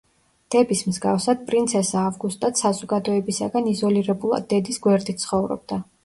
დების მსგავსად, პრინცესა ავგუსტაც საზოგადოებისაგან იზოლირებულად, დედის გვერდით ცხოვრობდა.